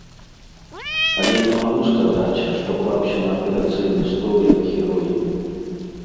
Але не магу сказаць, што клаўся на аперацыйны стол як герой.